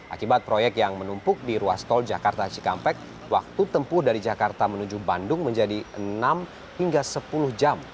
akibat proyek yang menumpuk di ruas tol jakarta cikampek waktu tempuh dari jakarta menuju bandung menjadi enam hingga sepuluh jam